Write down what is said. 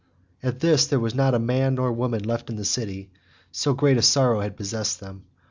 At this there was not man nor woman left in the city, so great a sorrow had possessed them.